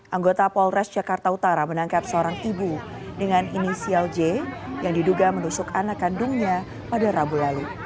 anggota polres jakarta utara menangkap seorang ibu dengan inisial j yang diduga menusuk anak kandungnya pada rabu lalu